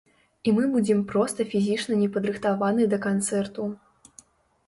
І мы будзем проста фізічна непадрыхтаваны да канцэрту.